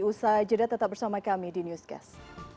usaha jeda tetap bersama kami di newscast